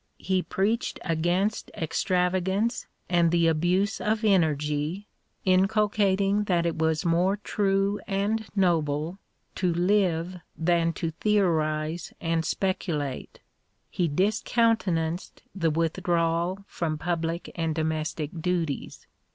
He preached against extravagance and the abuse of energy, inculcating that it was more true and noble to live than to theorise and speculate ; he discountenanced the withdrawal from public and domestic duties.